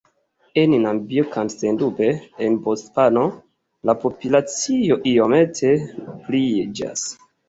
En Namibio kaj sendube en Bocvano, la populacio iomete pliiĝas.